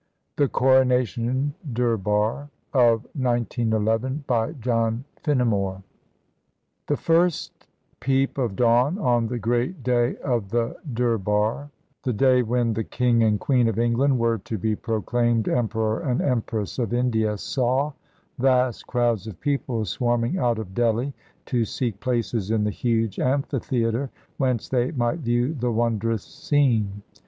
THE CORONATION DURBAR OF 191 1 BY JOHN FINNEMORE The first peep of dawn on the Great Day of the Durbar, the day when the King and Queen of England were to be proclaimed Emperor and Empress of India, saw vast crowds of people swarming out of Delhi to seek places in the huge amphitheater, whence they might view the wondrous scene.